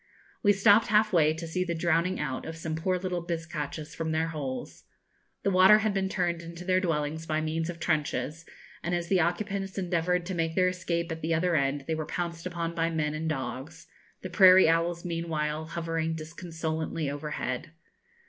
We stopped half way to see the drowning out of some poor little bizcachas from their holes. The water had been turned into their dwellings by means of trenches, and as the occupants endeavoured to make their escape at the other end they were pounced upon by men and dogs; the prairie owls meanwhile hovering disconsolately overhead.